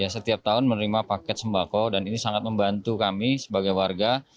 setiap tahun menerima paket sembako dan ini sangat membantu kami sebagai warga